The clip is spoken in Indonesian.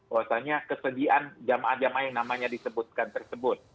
maksudnya kesedihan jemaah jemaah yang namanya disebutkan tersebut